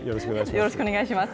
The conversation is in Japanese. よろしくお願いします。